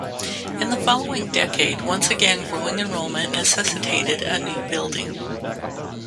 In the following decade, once again growing enrollment necessitated a new building.